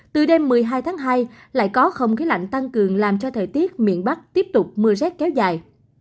từ đêm một mươi hai tháng hai lại có không khí lạnh tăng cường làm cho thời tiết miền bắc tiếp tục mưa rét kéo dài